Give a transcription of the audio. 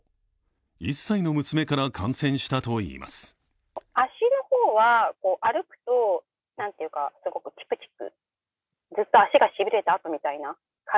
１歳の娘から感染したといいます。